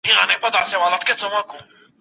نظم د پرمختګ لومړی شرط دی.